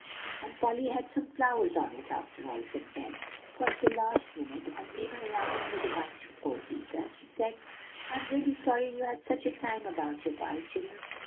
"And Polly had some flowers on it, after all," said Ben; "for, at the last minute, a neighbor ran in with a bunch of posies; and she said: 'I'm real sorry you had such a time about your pie, children.